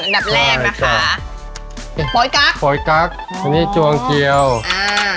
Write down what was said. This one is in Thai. ดับแรกนะคะโป๊ยกั๊กโปยกั๊กอันนี้จวงเกียวอ่า